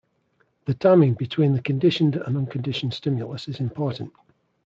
The timing between the conditioned and unconditioned stimulus is important.